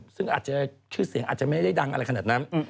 ซึ่งอาจจะชื่อเสียงอาจจะไม่ได้ดังอะไรขนาดนั้น